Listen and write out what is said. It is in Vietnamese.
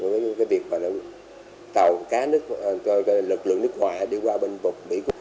với cái việc mà tàu cá nước lực lượng nước ngoại đi qua bên bộ bỉ cục